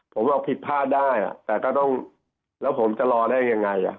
ผมเอาผิดพลาดได้แต่ก็ต้องแล้วผมจะรอได้ยังไง